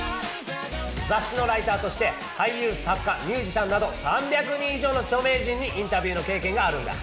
雑誌のライターとして俳優作家ミュージシャンなど３００人以上の著名人にインタビューの経験があるんだ。